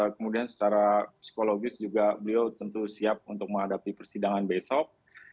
kemudian secara psikologis juga beliau tentu siap untuk menghadapi persidangan besok